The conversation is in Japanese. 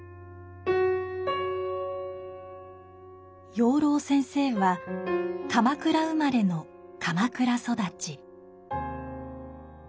養老センセイは鎌倉生まれの鎌倉育ち。